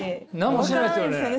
何もしてないですよね？